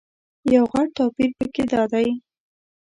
یو غټ توپیر په کې دادی.